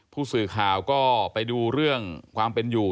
ผู้สื่อข่าวก็ไปดูเรื่องความเป็นอยู่